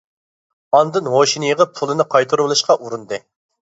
ئاندىن ھوشىنى يىغىپ پۇلىنى قايتۇرۇۋېلىشقا ئۇرۇندى.